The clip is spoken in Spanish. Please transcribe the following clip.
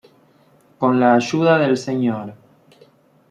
Con la ayuda del "Sr.